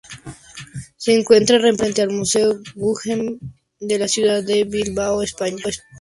Se encuentra emplazada frente al Museo Guggenheim de la ciudad de Bilbao, España.